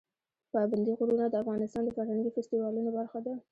پابندی غرونه د افغانستان د فرهنګي فستیوالونو برخه ده.